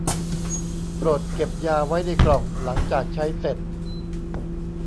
โปรดเก็บยาไว้ในกล่องหลังจากใช้เสร็จ